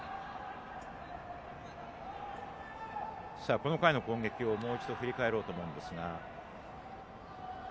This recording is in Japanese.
この回の攻撃をもう一度、振り返ろうと思います。